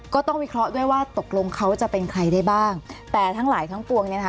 ก็ต้องวิเคราะห์ด้วยว่าตกลงเขาจะเป็นใครได้บ้างแต่ทั้งหลายทั้งปวงเนี่ยนะคะ